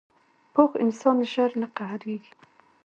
پوخ انسان ژر نه قهرېږي